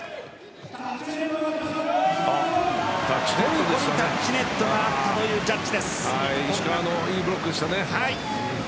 トルコにタッチネットがあったという石川のいいブロックでしたね。